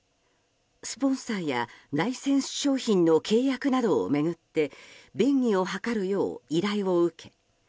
スポンサーやライセンス商品の契約などを巡って便宜を図るよう依頼を受け